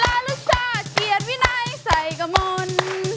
และลูกชาติเกียรติวินัยใส่กระมน